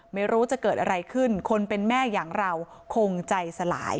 ไม่รู้จะเกิดอะไรขึ้นคนเป็นแม่อย่างเราคงใจสลาย